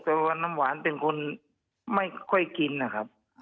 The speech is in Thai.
แต่ว่าน้ำหวานเป็นคนไม่ค่อยกินนะครับ